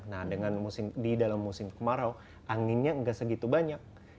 nah di dalam musim kemarau anginnya nggak segitu banyak